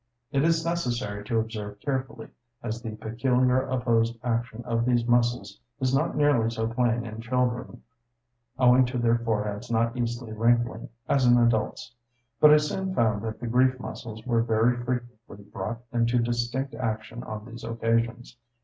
It is necessary to observe carefully, as the peculiar opposed action of these muscles is not nearly so plain in children, owing to their foreheads not easily wrinkling, as in adults. But I soon found that the grief muscles were very frequently brought into distinct action on these occasions.